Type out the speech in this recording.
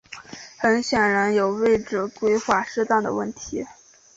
很显然有位置规划失当的问题。